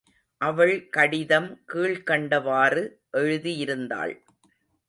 அவள் கடிதம் கீழ்க்கண்டவாறு எழுதியிருந்தாள்.